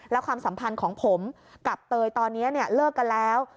แล้วความสัมพันธ์ของผมกับเตยตอนนี้เลิกกันแล้ว